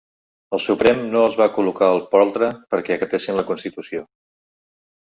El Suprem no els va col·locar al poltre perquè acatessin la constitució.